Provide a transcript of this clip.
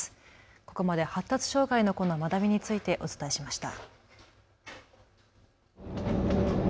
ここまで発達障害の子の学びについてお伝えしました。